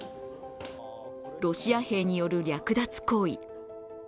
ロシア兵による略奪行為。